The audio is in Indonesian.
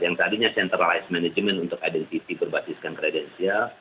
yang tadinya centralized management untuk identitas berbasis kredensial